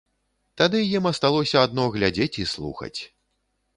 Тады ім асталося адно глядзець і слухаць.